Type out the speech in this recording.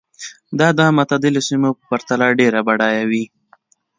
دا د معتدلو سیمو په پرتله ډېرې بډایه وې.